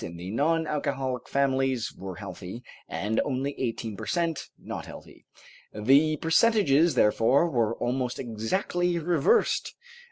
in the non alcoholic families were healthy, and only eighteen per cent. not healthy. The percentages, therefore, were almost exactly reversed.